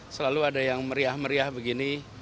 selalu ada yang meriah meriah begini